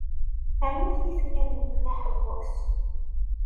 Rnu tifyar mebla aḥebbus.